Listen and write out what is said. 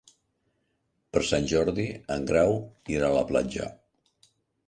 Per Sant Jordi en Grau irà a la platja.